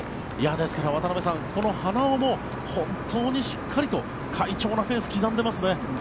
ですから、渡辺さんこの花尾も本当にしっかりと快調なペースを刻んでますね。